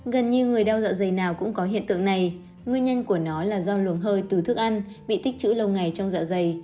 gần như người đeo sợ giày nào cũng có hiện tượng này nguyên nhân của nó là do luồng hơi từ thức ăn bị tích chữ lâu ngày trong dạ dày